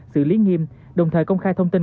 xử lý nghiêm đồng thời công khai thông tin